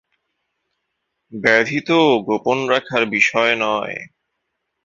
ব্যাধি তো গোপন রাখার বিষয় নয়।